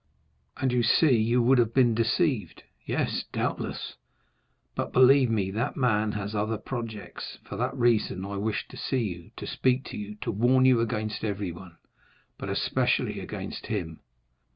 "And you see you would have been deceived." "Yes, doubtless." "But believe me, that man has other projects. For that reason I wished to see you, to speak to you, to warn you against everyone, but especially against him.